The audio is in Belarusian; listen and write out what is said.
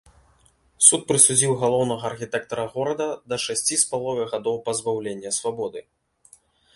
Суд прысудзіў галоўнага архітэктара горада да шасці з паловай гадоў пазбаўлення свабоды.